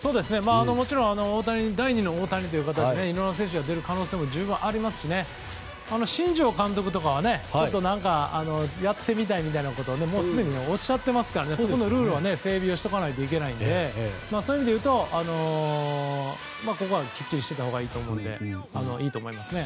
もちろん第２の大谷という形でいろんな選手が出る可能性も十分にありますし新庄監督とかはやってみたいみたいなことをもうすでにおっしゃっていますからそこのルール整備はしておかないといけないのでそういう意味で言うとここはきっちりしておいたほうがいいと思うのでいいと思いますね。